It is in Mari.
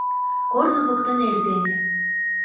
Корно воктен эрдене.